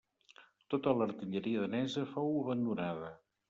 Tota l'artilleria danesa fou abandonada.